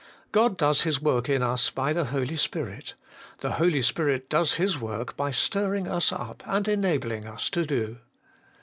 God does His work in us by the Holy Spirit ; the Holy Spirit does His work by stirring us up and enabling us to do.